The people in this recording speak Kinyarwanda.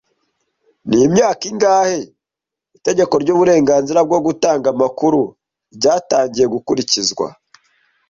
Ni imyaka ingahe itegeko ry'uburenganzira bwo gutanga amakuru ryatangiye gukurikizwa